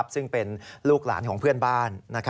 ซึ่งเป็นลูกหลานของเพื่อนบ้าน